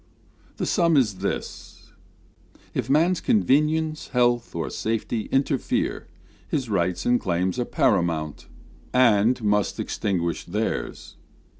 The sum is this: If man's convenience, health, Or safety, interfere, his rights and claims Are paramount, and must extinguish theirs.